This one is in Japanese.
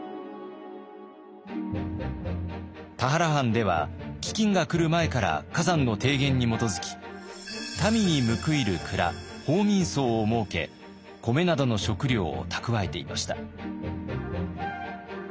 田原藩では飢饉が来る前から崋山の提言に基づき民に報いる倉報民倉を設け米などの食料を蓄えていました。